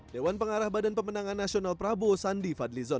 dewan pengarah badan pemenangan nasional prabowo sandi fadlizon